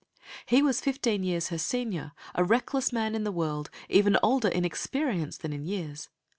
He was fifteen years her senior, a reckless man of the world, even older in experience than in years.